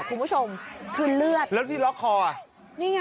คุณผู้ชมคือเลือดแล้วที่ล็อกคอนี่ไง